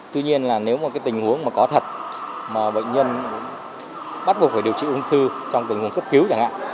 tuy nhiên là nếu một tình huống mà có thật mà bệnh nhân bắt buộc phải điều trị ung thư trong tình huống cấp cứu chẳng hạn